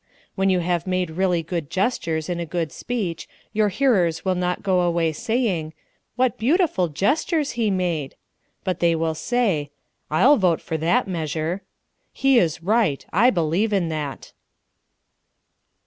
When you have made really good gestures in a good speech your hearers will not go away saying, "What beautiful gestures he made!" but they will say, "I'll vote for that measure." "He is right I believe in that."